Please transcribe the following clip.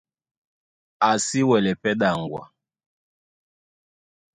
A si wɛlɛ́ pɛ́ ɗaŋgwa.